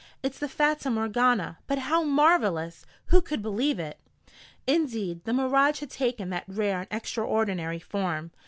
"It's the Fata Morgana but how marvelous! Who could believe it?" Indeed, the mirage had taken that rare and extraordinary form.